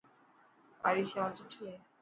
ڪاري شال سٺي هي.